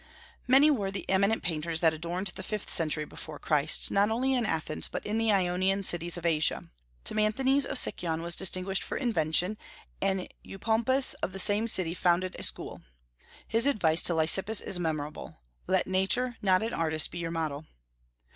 Many were the eminent painters that adorned the fifth century before Christ, not only in Athens, but in the Ionian cities of Asia. Timanthes of Sicyon was distinguished for invention, and Eupompus of the same city founded a school. His advice to Lysippus is memorable: "Let Nature, not an artist, be your model."